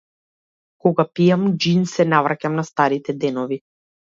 Кога пијам џин се навраќам на старите денови.